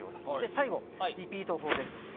最後、リピート法です。